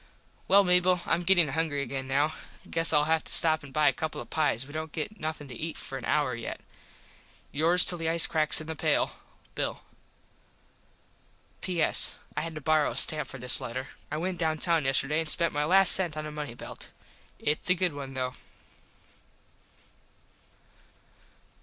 Well Mable Im gettin hungry again now. Guess Ill have to stop an buy a couple of pies. We dont get nothin to eat for an hour yet. yours till the ice cracks in the pale, Bill. P.S. I had to borrow a stamp for this letter. I went down town yesterday an spent my last sent on a money belt. Its a good one though.